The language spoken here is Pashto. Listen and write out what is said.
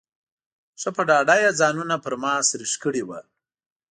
ښه په ډاډه یې ځانونه پر ما سرېښ کړي وو.